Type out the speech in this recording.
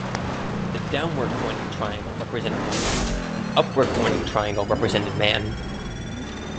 The Downward pointing triangle represented woman; an upward pointing triangle represented man.